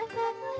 kami juga hibur